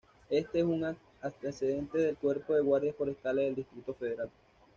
Este es un antecedente del Cuerpo de Guardias Forestales del Distrito Federal.